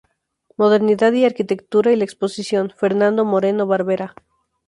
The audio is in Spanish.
Modernidad y arquitectura" y la exposición "Fernando Moreno Barberá.